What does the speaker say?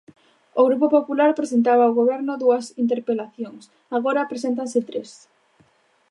O Grupo Popular presentaba ao Goberno dúas interpelacións, agora preséntanse tres.